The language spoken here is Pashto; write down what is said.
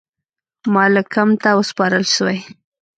مالکم ته وسپارل سوې.